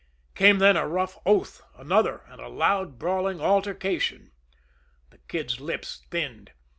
Came then a rough oath another and a loud, brawling altercation. The Kid's lips thinned.